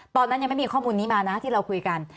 ตอนนั้นยังไม่มีข้อมูลนี้มานะที่เราคุยกัน